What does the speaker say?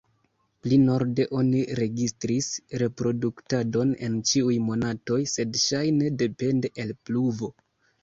Pli norde oni registris reproduktadon en ĉiuj monatoj, sed ŝajne depende el pluvo.